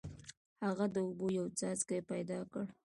هغه د اوبو یو څاڅکی پیدا کړ.